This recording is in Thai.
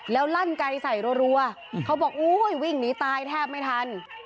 แล้วลั่นไกลใส่รัวเขาบอกอุ้ยวิ่งหนีตายแทบไม่ทัน